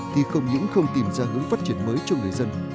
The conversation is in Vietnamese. thì không những không tìm ra hướng phát triển mới cho người dân